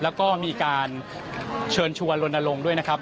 แล้วก็มีการเชิญชวนลนลงด้วยนะครับ